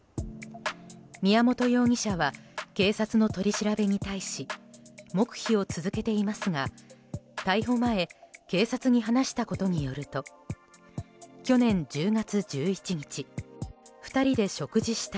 宮本容疑者は警察の取り調べに対し黙秘を続けていますが逮捕前警察に話したことによると去年１０月１１日２人で食事した